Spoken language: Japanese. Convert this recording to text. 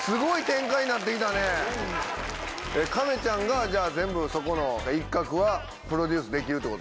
亀ちゃんが全部そこの一角はプロデュースできるってこと？